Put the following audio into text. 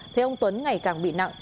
thế ông tuấn ngày càng bị nặng